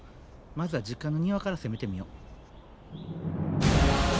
まずは実家の庭から攻めてみよ。